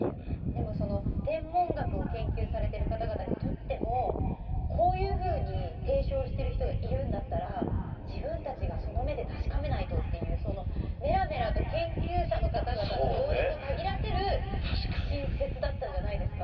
でもその天文学を研究されてる方々にとってもこういうふうに提唱してる人がいるんだったら自分たちがその目で確かめないとっていうメラメラと研究者の方々の情熱をたぎらせる新説だったんじゃないですか。